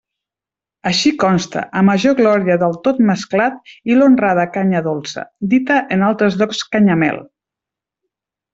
Així consta, a major glòria del tot mesclat i l'honrada canya dolça, dita en altres llocs canyamel.